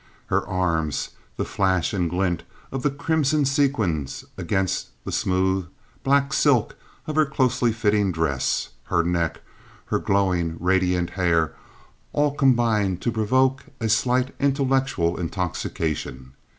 Her arms, the flash and glint of the crimson sequins against the smooth, black silk of her closely fitting dress, her neck, her glowing, radiant hair, all combined to provoke a slight intellectual intoxication.